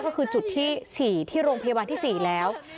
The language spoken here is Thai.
ก็คือจุดที่๔ที่โรงพยาบาลที่๔แล้ว